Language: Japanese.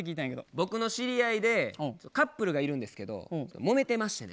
僕の知り合いでカップルがいるんですけどもめてましてね。